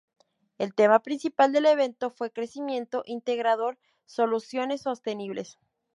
El tema principal del evento fue ""Crecimiento integrador: soluciones sostenibles"".